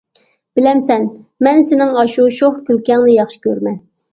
بىلەمسەن، مەن سېنىڭ ئاشۇ شوخ كۈلكەڭنى ياخشى كۆرىمەن.